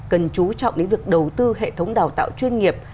cần chú trọng đến việc đầu tư hệ thống đào tạo chuyên nghiệp